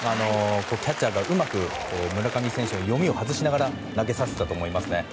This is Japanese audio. キャッチャーがうまく、村上選手の読みを外しながら投げさせたと思いますね。